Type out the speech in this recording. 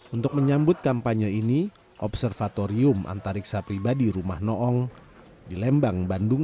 untuk menyambut kampanye ini observatorium antariksa pribadi rumah noong di lembang bandung